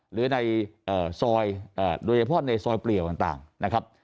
หรือในซอยโดยเฉพาะในซอยเปลี่ยวต่างนะครับ